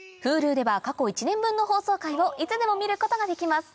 Ｈｕｌｕでは過去１年分の放送回をいつでも見ることができます